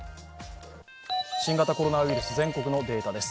新型コロナウイルス、全国のデータです。